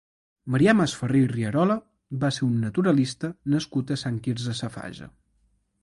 Marià Masferrer i Rierola va ser un naturalista nascut a Sant Quirze Safaja.